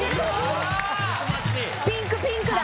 うわピンクピンクだ